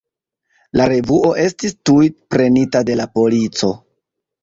La revuo estis tuj prenita de la polico.